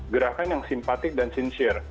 gerakan yang simpatik dan sinciar